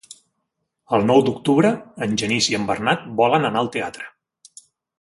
El nou d'octubre en Genís i en Bernat volen anar al teatre.